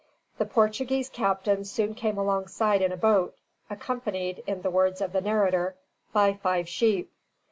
The Portuguese captain soon came alongside in a boat, "accompanied," in the words of the narrator, "by five sheep."